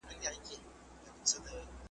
پرون یې کلی، نن محراب سبا چنار سوځوي .